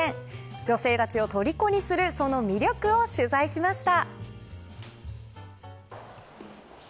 女性たちを虜にするその魅力を取材しました。